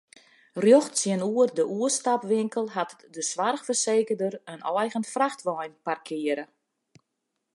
Rjocht tsjinoer de oerstapwinkel hat de soarchfersekerder in eigen frachtwein parkearre.